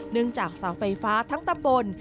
เนื่องจากเสาไฟฟ้าทั้งตะบน